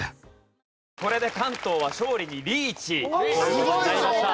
これで関東は勝利にリーチとなりました。